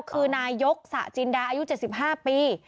คือนายกสะจินดาอายุ๗๕ปี